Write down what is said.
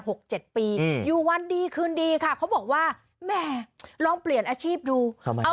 หกเจ็ดปีอยู่วันดีคืนดีค่ะเขาบอกว่าแม่ลองเปลี่ยนอาชีพดู